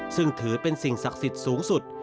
ซึ่งถือเป็นสิ่งศักดิ์สิทธิ์สูงสุด